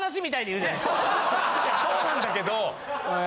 いやそうなんだけど。